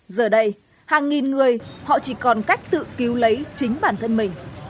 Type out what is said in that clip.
giờ đây hàng nghìn người họ chỉ còn cách tự cứu lấy chính bản thân mình